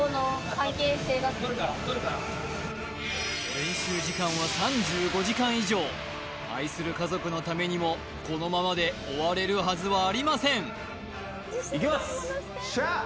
練習時間は３５時間以上愛する家族のためにもこのままで終われるはずはありませんしゃあ！